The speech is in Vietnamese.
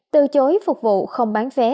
từ chối phục vụ không bán vé